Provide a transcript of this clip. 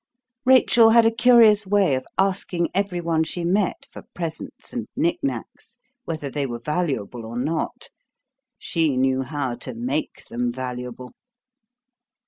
Rachel had a curious way of asking every one she met for presents and knickknacks, whether they were valuable or not. She knew how to make them valuable.